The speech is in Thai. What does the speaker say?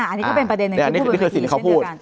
อันนี้ก็เป็นประเด็นในที่พูดเวลาทีเช่นเดียวกัน